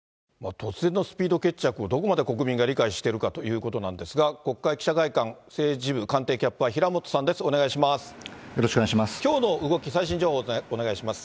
突然のスピード決着をどこまで国民が理解しているかということなんですが、国会記者会館、政治部官邸キャップは、平本さんです、お願いします。